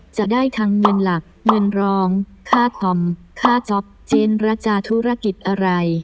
จะได้ทั้งเงินหลักเงินรองค่าคอมค่าจ๊อปจินระจาธุรกิจอะไร